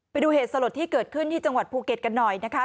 ไปดูเหตุสลดที่เกิดขึ้นที่จังหวัดภูเก็ตกันหน่อยนะคะ